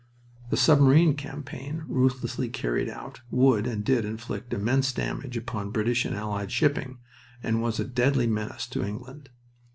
The submarine campaign, ruthlessly carried out, would and did inflict immense damage upon British and Allied shipping, and was a deadly menace to England.